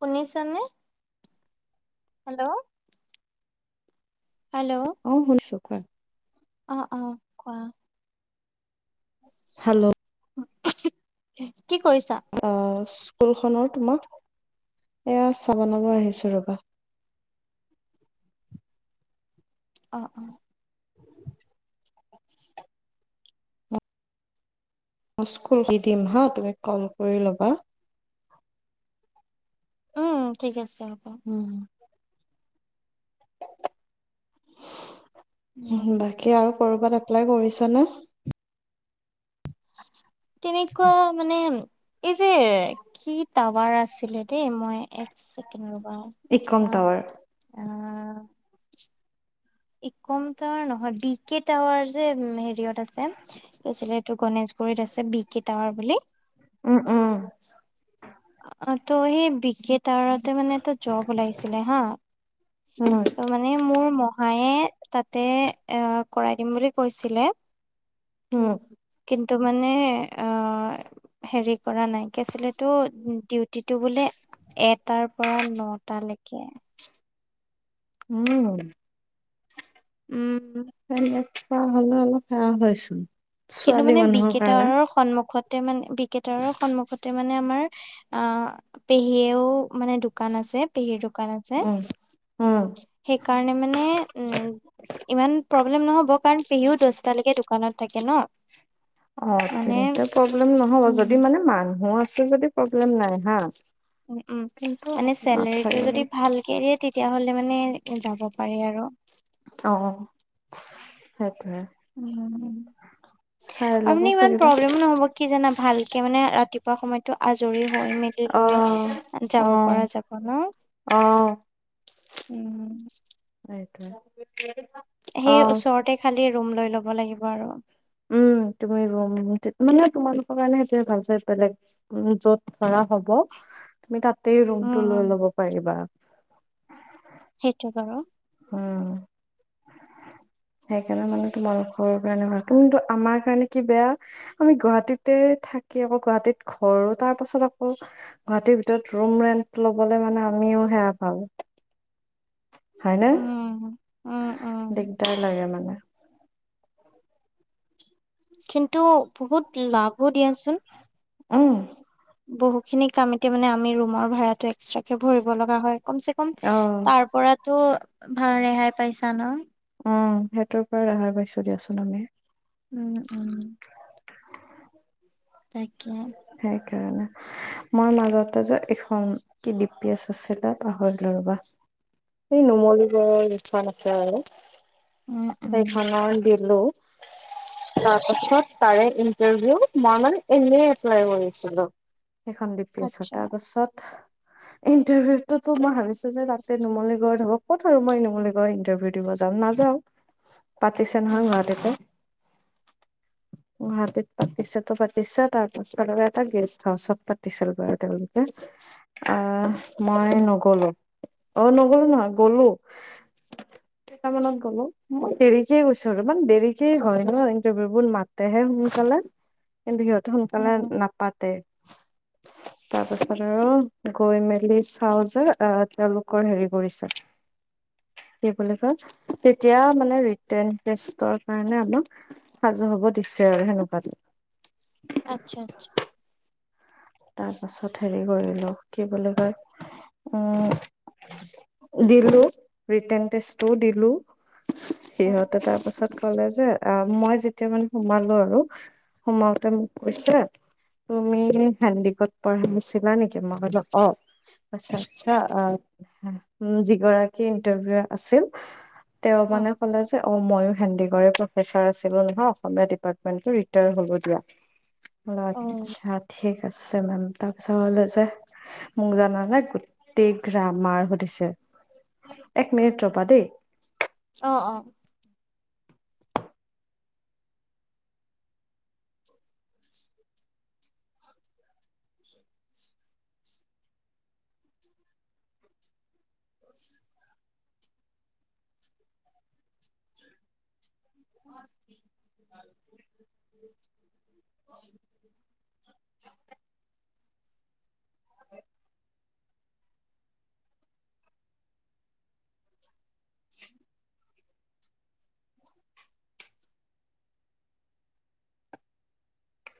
শুনিছানে? Hello hello অ' শুনিছোঁ কোৱা? অ' অ'কোৱা? হেল্ল' কি কৰিছা? অ' স্কুল খনৰ তোমাক এয়া চাহ বনাব আহিছো ৰ'বা। অ'অ' [unintelligible] দি দিম হা তুমি কল কৰি ল'বা। অ'ঠিক আছে হ'ব। উম, উম, বাকী আৰু কৰবাত এপ্লাই কৰিছা নে? তেনেকুৱা মানে এই যে কি টাৱাৰ আছিলে দেই মই এক চেকেণ্ড ৰ'বা ইকম কিবা টাৱাৰ অ' ইকম টাৱাৰ নহয় বি কে টাৱাৰ যে হেৰিয়ত আছে কি আছিলে এইটো গণেশগুৰিত আছে বিকে টাৱাৰ বুলি উম, উম। অ' ত' সেই বিকে তাৱাৰতে মানে এটা জব ওলাইছিলে হা উম ত' মানে মোৰ মহায়ে তাতে এ কৰাই দিম বুলি কৈছিলে। উম, কিন্তু মানে অ' হেৰী কৰা নাইকি আছিলএইটো ডিউটি টো বোলে এটাৰ পৰা নটা লেকে। উম, উম, এনেকোৱা হ'লে অলপ সেয়া হৈচো কিন্তু ছোৱালী মানে বি মানুহৰ কে কাৰণে। টাৱাৰৰ সন্মুখতে মানে বিকেটাৰৰ সন্মুখতে মানে আমাৰ অ' পেহীয়েও মানে দোকান আছে, পেহীৰ দোকান আছে। উম উম সেইকাৰণে মানে উম ইমান প্ৰব্লেম নহ'ব, কাৰণ পেহিও দহটালৈকে দোকানত থাকে ন। অ' মানে তেন্তে প্ৰব্লেম নহ'ব। উম যদি মানে মানুহ আছে যদি প্ৰব্লেম নাই হা'। উম, কিন্তু মানে চেলাৰী টো নাথাকিলে যদি ভালকে দিয়ে তেতিয়াহ'লে মানে যাব পাৰি আৰু। অ' সেইটোয়ে। উ, আৰু ল'ব মানে ইমান পাৰিবা প্ৰব্লেমো নহ'ব। কি জান, ভালকে মানে ৰাতিপুৱা সময়ত টো আজৰি হৈ মেলি লৈ অ', যাব অ', পৰা যাব ন। অ' উম এইটোৱেই সেই ওচৰতে খালি ৰুম লৈ ল'ব লাগিব আৰু। উম তুমি ৰুমৰেণ্ট, মানে তোমালোকৰ কাৰণে সেইটোৱে ভাল। যে বেলেগ উম, য'ত ধৰা হ'ব, তুমি তাতেই উম ৰুমটো উম লৈ ল'ব পাৰিবা। সেইটো বাৰু উম সেইকাৰণে মানে তোমালোকৰৰ কাৰণে ভাল। কিন্তু আমাৰ কাৰণে কি বেয়া আমি গুৱাহাটীতে থাকি আকৌ গুৱাহাটীত ঘৰো, তাৰ পাছত আকৌ গুৱাহাটীৰ ভিতৰত ৰুমৰেণ্ট ল'বলৈ মানে আমিও সেয়া পাঁও হয়নে? উম উম উম দিগদাৰ লাগে মানে। কিন্তু বহুত লাভো দিয়াচোন। উম বহু খিনি কাম এতিয়া মানে আমি ৰুমৰ ভাড়াটো এক্সট্ৰাকে ভৰিব লগা হয়। কম চে কম অ', তাৰ পৰাটো ভাল ৰেহাই পাইছা ন? উম, সেইটোৰ পৰা ৰেহা পাইছো দিয়াচোন আমি। উম, উম। তাকে সেইকাৰণে। মই মাজতে যে এখন কি ডিপি এছ আছিলে, পাহৰিলো ৰ'বা। এই নুমলীড়ৰ যিখন আছে আৰু উম উম সেইখনৰ দিলোঁ। তাৰপাছত তাৰে ইন্টাৰভিউ মই মানে এনেই এপ্লাই কৰিছিলো সেইখন ডিপি এছত, আচ্ছা তাৰপিছত ইণ্টাৰভিউত তো মই ভাবিছোঁ যে তাতে নুমলীগড়ত হওক। ক'ত আৰু মই নোমলীগড়ত ইণ্টাৰভিউ দিব যাম নাযাওঁ, পাতিছে নহয় উম গুৱাহাটীতে। গুৱাহাটীত পাতিছেটো পাতিছে তাৰ আচলতে এটা গেষ্ট হাউচত পাতিছিল বাৰু তেওঁলোকে। আহ মই নগ'লো, অ' নগ'লো নহয় গ'লো। [inaudible] মানত গ'লো, মই দেৰিকে গৈছো অলপমান দেৰিকে হয় না ইণ্টাৰভিউ বোৰ, মাতেহে সোনকালে কিন্তু সিহঁতে সোনকালে উম, নাপাতে। [inaudible] তাৰ পাছত আৰু গৈ মেলি চাওঁ যে আহ তেওঁলোকৰ হেৰি কৰিছে- কি বুলি কয়? তেতিয়া মানে ৰিটেন টেষ্টৰ কাৰণে আমাক- সাজু হব দিছে আৰু সেনেকুৱা। আচ্ছা, আচ্ছা। তাৰ পাছত হেৰি কৰিলো কি বুলি কয় উম! দিলো, ৰিৰ্টেণ টেষ্টটো দিলোঁ। উম। সিহঁতে তাৰ পাছত ক'লে যে- আ মই যেতিয়া মানে সোমালো আৰু সোমাওঁতে মোক কৈছে তুমি- হেণ্ডিকত পঢ়া নাছিলা নেকি? মই কলো অঁ। আচ্ছা, আচ্ছা আ যিগৰাকী ইন্টাৰভিউ আছিল- তেওঁ উম, মানে কলে যে- অঁ, মইয়ো হেণ্ডিকৰে প্ৰফেচাৰ আছিলো নহয় অসমীয়া ডিপাৰ্টমেন্টৰ ৰিটায়াৰ হ'লো দিয়া। [inaudible] অঁ, উম, আচ্ছা, ঠিক আছে মেম। তাৰপিছত ক'লে যে - মোক জানানে গোটেই গ্ৰামাৰ সুধিছে, এক মিনিট ৰবা দেই। অঁ, অঁ। [inaudible] [inaudible]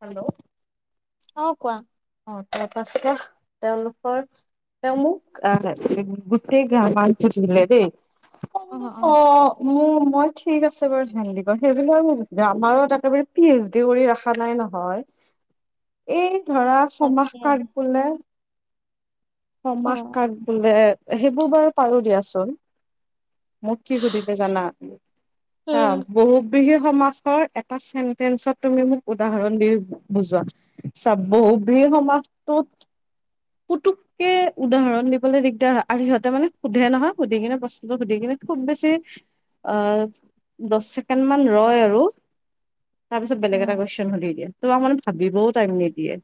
হেল্ল'। অঁ, কোৱা? অঁ, তেওঁ কৈছে যে তেওঁলোকৰ- মানে মোক গোটেই গ্ৰামাৰ সুধিলে দেই, অ', অ'। [unintelligible] উম, মই ঠিক আছে বাৰু হেন্দিকত সেইবিলাক গ্ৰামাৰত একেবাৰে পি এইচ ডি কৰি ৰখা নাই নহয়। [inaudible] এই ধৰা সমাহ তাকে কাক বোলে? সমাহ উম, কাক বোলে? সেইবোৰ বাৰু পাৰো দিয়াচোন। মোক কি সুধিলে জানা! হা' উম, বহু- বিশেষ সমাসৰ এটা চেন্টেসত তুমি মোক উদাহৰণ দি বুজোৱা? চাব বিশেষ সমাজটোত পুটুক- কে উদাহৰণ দিব লৈ দিগদাৰ হয় আৰু সিহঁতে মানে সুধে নহয় সুধি কিনে প্ৰশ্নটো সুধি কিনে খুব বেছি- আহ দহ ছেকেণ্ড মান ৰয় আৰু তাৰপিছত বেলেগ এটা কুৱেশন সুধি দিয়ে। তোমাক মানে ভাবিৱও টাইম নিদিয়ে,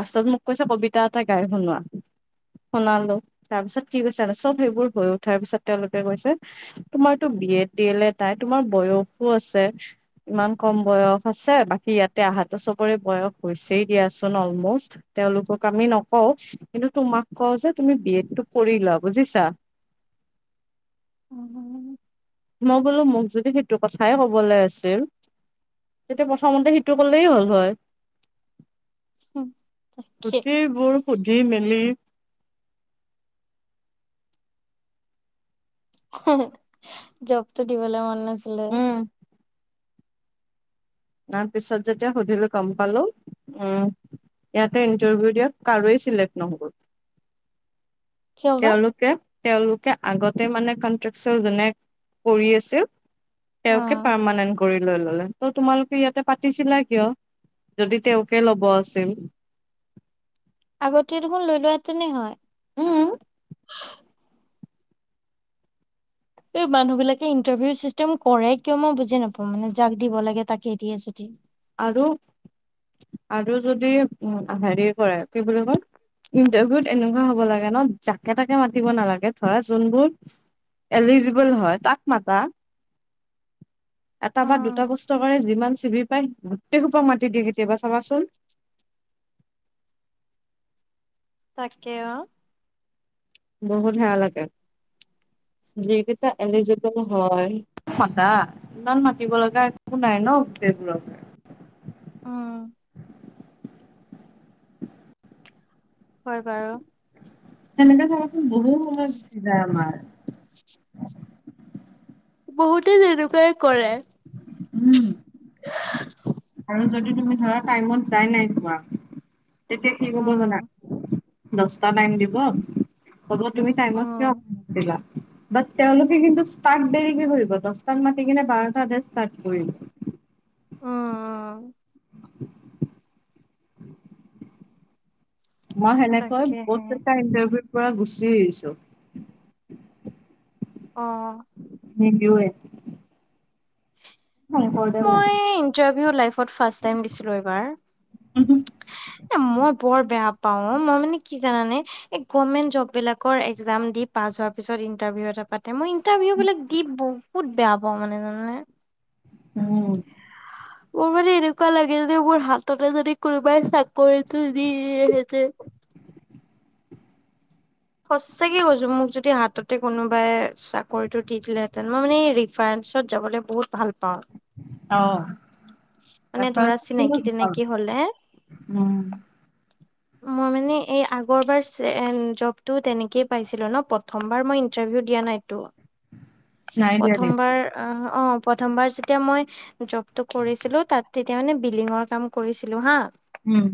লাষ্টত মোক কৈছে কবিতা এটা গাই শুনোৱা। শুনালো, তাৰপিছত কি কৈছে? চব সেইবোৰ হৈ উঠাৰ পিছত তেওঁলোকে কৈছে- তোমাৰতো বিয়েড, ডি এল এড নাই, তোমাৰ বয়সো আছে- ইমান কম বয়স আছে, বাকী ইয়াতে আহাতো চবৰে বয়স হৈছেই দিয়াচোন অলমষ্ট। তেওঁলোকক আমি নকওঁ কিন্তু তোমাক কওঁ যে তুমি বি এডটো কৰি লোৱা বুজিছা। উম, উম। মই বোলো মোক যদি সেইটো কথাই কবলৈ আছিল- তেতিয়া প্ৰথমতে সিটো কলেই হ'ল হয়। উম, কি- গোটেইবোৰ সুধি মেলি- জবটো দিবলৈ মন নাছিলে। উম তাৰ পিছত যেতিয়া সুধিলোঁ গম পালো উম, - ইয়াতে ইণ্টাৰভিউ দিয়া কাৰোৱেই চিলেক্ট নহ'ল। কিয় বা তেওঁলোকে-তেওঁলোকে আগতে মানে কন্ট্ৰেকচোৱেল যোনে কৰি আছিল- তেওঁকে অ'। পাৰ্মানেণ্ট কৰি লৈ ল'লে ত তোমালোকে ইয়াতে পাতিছিলা কিয় যদি তেওঁকে লব আছিল। আগতে দেখোন লৈ লোৱা হেতেনে হয়। উম এই মানুহবিলাকে ইণ্টাৰভিউ চিষ্টেম কৰে কিয় মই বুজি নাপাওঁ মানে যাক দিব লাগে তাকে দিয়ে যদি আৰু আৰু যদি উম হেৰি কৰে কি বুলি কয় ইণ্টাৰভিউত এনেকুৱা হ'ব লাগে ন যাকে তাকে মাতি নালাগে ধৰা যোনবোৰ এলিজিবল হয় তাক মাতা এটা বা উম, দুটা পোস্তুৰ কাৰণে যিমান চি ভি পায় গোটেই সোপা মাতি দিয়ে কেতিয়াবা চাবাচোন। তাকে অ বহুত সেয়া লাগে। যি কিইটা এলিজিবল হয় মাতা ইমান মাতিব লগা একো নাই ন গোটেইবোৰক উম হয় বাৰু সেনেকে ধৰাচোন বহুত সময় গুচি যাই আমাৰ [unintelligible] বহুতে তেনেকুৱাই কৰে। উম [unintelligible] আৰু যদি তুমি ধৰা টাইমত যায় নাই পোৱা তেতিয়া কি ক'ব জানা উম। এটা টাইম দিব কব তুমি টাইমত কিয় উম, নাহিলা বাত তেওঁলোকে কিন্তু ষ্টাৰত দেৰিকে কৰিব দচটাত মাতি কিনে বাৰটাতহে ষ্টাৰত কৰিব। উম, উম, মই সেনেকৈ বহুত তাকেহে কেইটা ইন্টাৰভিউৰ পৰা গুচি আহিছোঁ। [unintelligible] অ নিদিও এ ফোন কৰিলেও নাযাও এই ইণ্টাৰভিউ লাইফত ফাৰ্ষ্ট টাইম দিছিলোঁ এইবাৰ এ, মই বৰ বেয়া পাওঁ অ, মই মানে কি জানানে এই গভৰ্ণমেন্ট জব বিলাকৰ একজাম দি পাছ হোৱাৰ পিছত ইণ্টাৰভিউ এটা পাতে মই ইণ্টাৰভিউ বিলাক দি বহু বহুত বেয়া পাওঁ মানে জানানে উম মোৰ মানে এনেকুৱা লাগে যে মোৰ হাততে যদি কোনোবাই চাকৰিটো দি দিলে হেতেন সঁচাকে কৈছোঁ মোক যদি হাততে কোনোবাই চাকৰিটো দি দিলেহেঁতেন মই মানে ৰিফাৰেঞ্চত যাবলৈ বহুত ভাল পাওঁ। অ মানে ধৰা ৰিফাৰেঞ্চত চিনাকি ভাল তিনাকি হ'লে উম মই মানে এই আগৰবাৰ এ-জবটো তেনেকেইে পাইছিলোঁ ন প্ৰথমবাৰ মই ইণ্টাৰভিউ দিয়া নাই। তো নাই দিয়া নেকি প্ৰথমবাৰৰ অ অ, প্ৰথমবাৰ যেতিয়া মই জবতো কৰিছিলোঁ তাত তেতিয়া মানে বিলিঙৰ কাম কৰিছিলোঁ হা উম,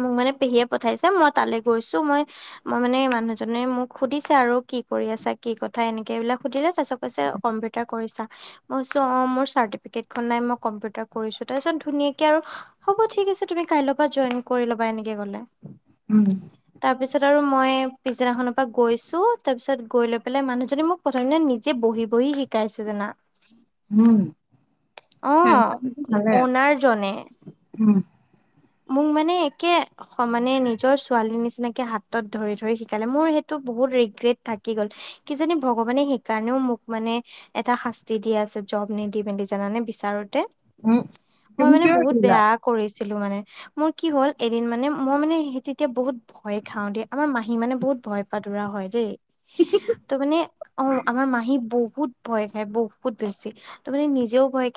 মোক মানে পেহীয়ে পঠাইছে মই তালৈ গৈছোঁ মই মই মানে মানুহজনে মোক সুধিছে আৰু কি কৰি আছা কি কথা এনেকে এইবিলাক সুধিলে তাৰ পিছত কৈছে কম্পিউটাৰ কৰিছা মই কৈছো অ মোৰ চাৰ্টিফিকেটখন নাই, মই কম্পিউটাৰ কৰিছোঁ, তাৰ পাছত ধুনিয়াকে আৰু হ'ব ঠিক আছে, তুমি কাইল পা জইন কৰি ল'বা, এনেকে ক'লে। উম। তাৰ পিছত আৰু মই পিছদিনাখনৰ পৰা গৈছো, তাৰপিছত গৈ লৈ পেলাই মানুহজনী মোক- প্ৰথম দিনা নিজে বহি বহি, শিকাইছে জানা। উম। অঁ, হেণ্ডচামটো ভালে ‌অওনাৰ জনে। উম। মোক মানে একে- সমানে নিজৰ ছোৱালী নিচিনাকে হাতত ধৰি, ধৰি শিকালে, মোৰ সেইটো বহুত ৰিগ্ৰেট- থাকি গ'ল, কিজানি ভগৱানে সেইকাৰণেও মোক মানে- এটা শাস্তি দি আছে, জব নিদি পেনি জানানে বিচাৰোতে। উম মই তুমি মানে কিয় বহুত দিলা বেয়া কৰিছিলো মানে। মোৰ কি হ'ল এদিন মানে, মই মানে সে তেতিয়া বহুত- ভয় খাওঁ দেই, আমাৰ মাহী মানে বহুত ভয় পাদুৰা হয় দেই। ত মানে অঁ, আমাৰ মাহী বহুত- ভয় খাই বহুত বেছি, তামানে নিজেও ভয়-